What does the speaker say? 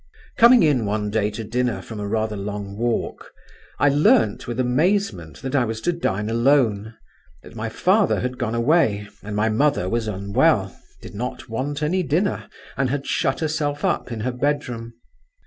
Coming in one day to dinner from a rather long walk, I learnt with amazement that I was to dine alone, that my father had gone away and my mother was unwell, did not want any dinner, and had shut herself up in her bedroom.